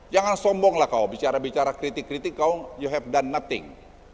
jangan sombonglah kau bicara bicara kritik kritik kau you have done nothing